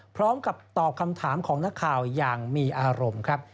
พร้อมกับตอบคำถามของนักข่าวอย่างมีอารมณ์ครับ